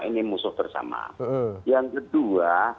ini musuh bersama yang kedua